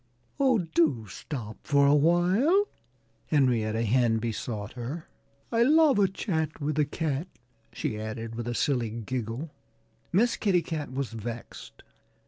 "Oh, do stop for a while!" Henrietta Hen besought her. "I love a chat with a cat," she added with a silly giggle. Miss Kitty Cat was vexed.